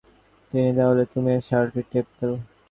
আর এই স্যান্ডউইচ গুলা যদি ফ্রেশ হয় তাহলে তুমিও শার্লি টেম্পল।